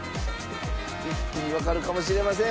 一気にわかるかもしれません。